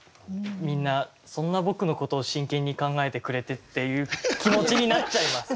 みんなそんな僕のことを真剣に考えてくれてっていう気持ちになっちゃいます。